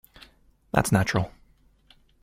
That's natural.